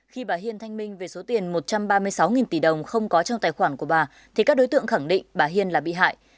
khi bà hiên thanh minh về số tiền một trăm ba mươi sáu tỷ đồng không có trong tài khoản của bà thì các đối tượng khẳng định bà hiên là bị hại